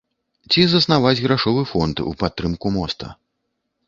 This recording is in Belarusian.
Ці заснаваць грашовы фонд у падтрымку моста.